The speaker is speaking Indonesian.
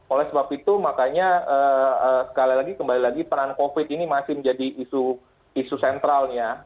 oleh sebab itu makanya sekali lagi kembali lagi peran covid ini masih menjadi isu sentral ya